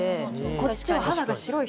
こっちは。